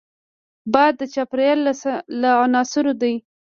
باد د چاپېریال له عناصرو دی